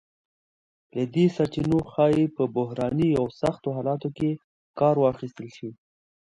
له دې سرچینو ښایي په بحراني او سختو حالتونو کې کار واخیستل شی.